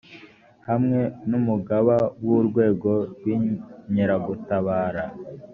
hamwe n umugaba w urwego rw inkeragutabara